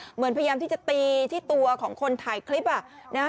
เหมือนพยายามที่จะตีที่ตัวของคนถ่ายคลิปอะ